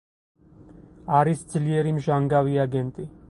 არის ძლიერი მჟანგავი აგენტი.